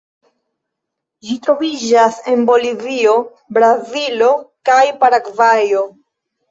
Ĝi troviĝas en Bolivio, Brazilo kaj Paragvajo.